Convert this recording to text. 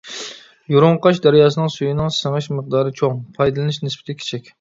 يۇرۇڭقاش دەرياسىنىڭ سۈيىنىڭ سىڭىش مىقدارى چوڭ، پايدىلىنىش نىسبىتى كىچىك.